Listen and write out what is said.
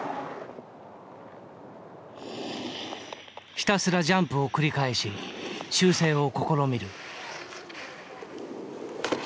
ひたすらジャンプを繰り返し修正を試みる。